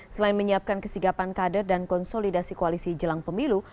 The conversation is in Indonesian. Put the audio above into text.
selain menyiapkan kesigapan kader dan konsolidasi koalisi jelang pemilu